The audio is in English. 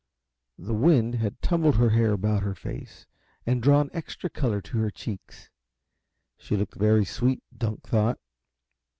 The wind had tumbled her hair about her face and drawn extra color to her cheeks, and she looked very sweet, Dunk thought.